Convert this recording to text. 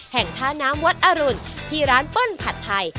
ท่าน้ำวัดอรุณที่ร้านเปิ้ลผัดไทย